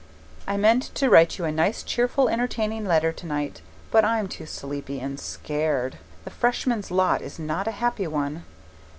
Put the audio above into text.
I meant to write you a nice, cheerful, entertaining letter tonight, but I'm too sleepy and scared. The Freshman's lot is not a happy one.